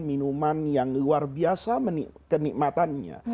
minuman yang luar biasa kenikmatannya